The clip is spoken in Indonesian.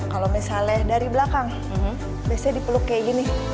kalau misalnya dari belakang biasanya dipeluk kayak gini